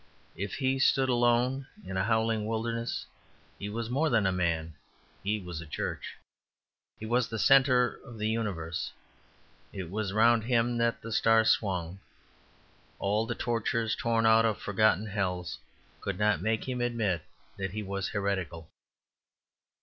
If he stood alone in a howling wilderness he was more than a man; he was a church. He was the centre of the universe; it was round him that the stars swung. All the tortures torn out of forgotten hells could not make him admit that he was heretical.